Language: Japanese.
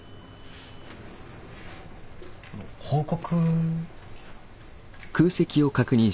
報告。